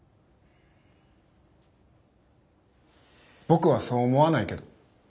僕はそう思わないけど。